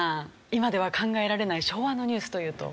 今では考えられない昭和のニュースというと？